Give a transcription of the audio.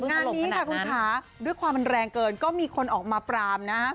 งานนี้ค่ะคุณค้าด้วยความมันแรงเกินก็มีคนออกมาปรามนะ